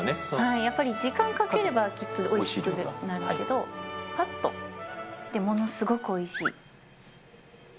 やっぱり時間かければ、きっとおいしくなるけど、ぱっと、で、ものすごくおいしい。